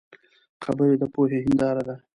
خبرې د پوهې هنداره ده